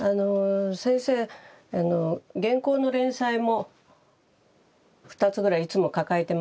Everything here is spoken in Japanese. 先生原稿の連載も２つぐらいいつも抱えてましたので